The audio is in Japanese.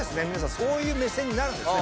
そういう目線になるんですね